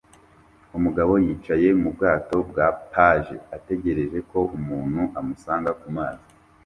Umugabo yicaye mu bwato bwa paje ategereje ko umuntu amusanga ku mazi